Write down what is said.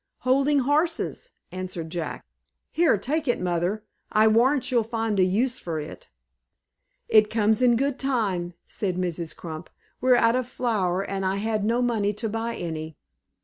"Holding horses," answered Jack. "Here, take it, mother. I warrant you'll find a use for it." "It comes in good time," said Mrs. Crump. "We're out of flour, and I had no money to buy any.